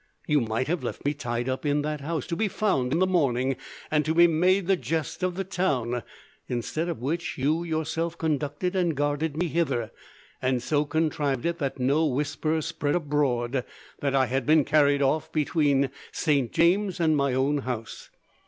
You might have left me tied up in that house, to be found in the morning, and to be made the jest of the town; instead of which, you yourself conducted and guarded me hither, and so contrived it that no whisper spread abroad that I had been carried off between Saint James's and my own house.